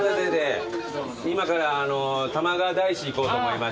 今から玉川大師行こうと思いまして。